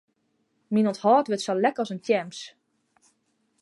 Myn ûnthâld wurdt sa lek as in tjems.